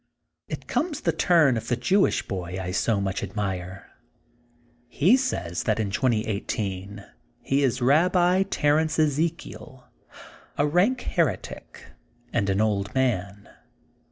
It comes the turn of the Jewish boy 1 so much admire. He says that in 2018 he is Eabbi Terence Ezekiel,'* a rank heretic, and an old man.